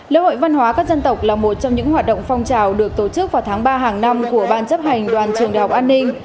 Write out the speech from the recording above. lễ hội văn hóa các dân tộc là một trong những hoạt động phong trào được tổ chức vào tháng ba hàng năm của ban chấp hành đoàn trường đại học an ninh